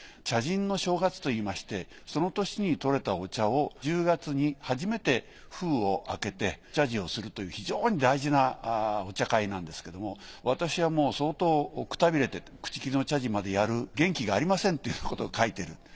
茶人の正月といいましてその年に採れたお茶を１０月に初めて封を開けて茶事をするという非常に大事なお茶会なんですけども私はもう相当くたびれてて口切の茶事までやる元気がありませんというようなことを書いてる。